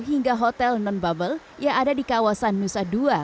hingga hotel non bubble yang ada di kawasan nusa dua